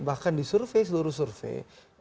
bahkan disurvey seluruh survey